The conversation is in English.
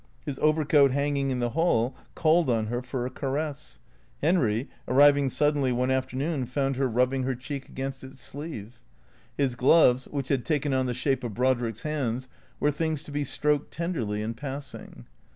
His overcoat hanging in the hall called on her for a caress. Henry, arriving suddenly one afternoon, found her rub 278 T H E C E E A T 0 K S 279 bing her cheek against its sleeve. His gloves, which had taken on the shape of Brodrick's hands, were things to be stroked ten derly in passing.